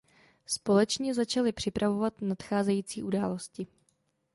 Společně začali připravovat nadcházející události.